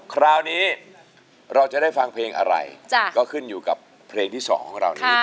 คราวนี้เราจะได้ฟังเพลงอะไรก็ขึ้นอยู่กับเพลงที่๒ของเรานี้